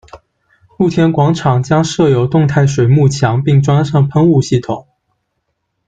露天广场将设有动态水幕墙，并装上喷雾系统。